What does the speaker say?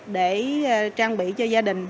để trang bị cho gia đình